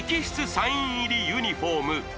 サイン入りユニフォーム